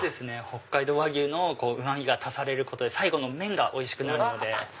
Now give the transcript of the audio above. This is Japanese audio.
北海道和牛のうま味が足され最後の麺がおいしくなるので。